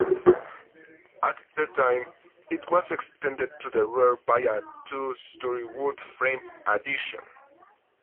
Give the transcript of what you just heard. At that time, it was extended to the rear by a two-story wood-frame addition.